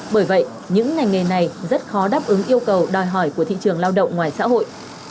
bởi vậy những ngành nghề này rất khó đáp ứng yêu cầu đòi hỏi của thị trường lao động ngoài xã hội